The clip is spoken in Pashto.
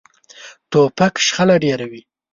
توپک شخړه ډېروي.